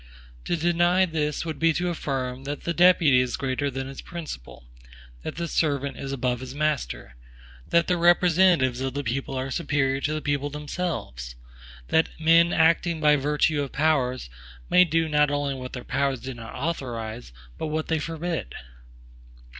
To deny this, would be to affirm, that the deputy is greater than his principal; that the servant is above his master; that the representatives of the people are superior to the people themselves; that men acting by virtue of powers, may do not only what their powers do not authorize, but what they forbid.